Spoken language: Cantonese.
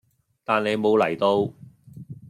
但你無嚟到